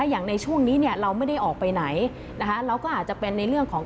อย่างในช่วงนี้เนี่ยเราไม่ได้ออกไปไหนนะคะเราก็อาจจะเป็นในเรื่องของ